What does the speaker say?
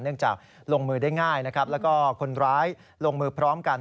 เนื่องจากลงมือได้ง่ายแล้วก็คนร้ายลงมือพร้อมกัน